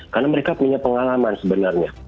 karena mereka punya pengalaman sebenarnya